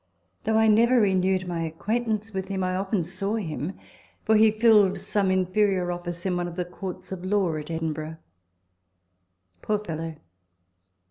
Though I never renewed my acquaint ance with him, I often saw him ; for he filled some inferior office in one of the courts of law at Edin burgh. Poor fellow!